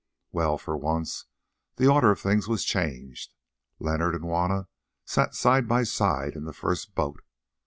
Well, for once the order of things was changed; Leonard and Juanna sat side by side in the first boat.